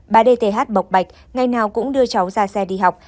bà dth mộc bạch ngày nào cũng đưa cháu ra xe đi học